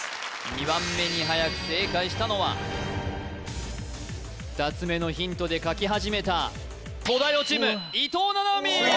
２番目にはやく正解したのは２つ目のヒントで書き始めた東大王チーム伊藤七海